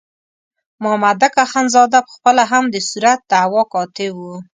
مامدک اخندزاده په خپله هم د صورت دعوا کاتب وو.